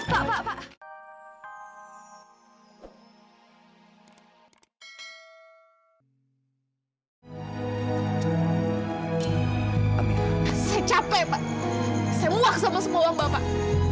saya capek pak saya muak sama semua orang pak